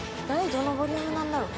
どんなボリュームなんだろう？